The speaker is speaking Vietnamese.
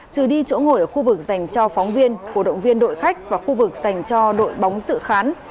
trừ đi chỗ ngồi ở khu vực dành cho phóng viên cổ động viên đội khách và khu vực dành cho đội bóng sự khán